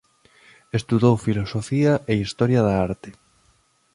Estudou filosofía e Historia da arte.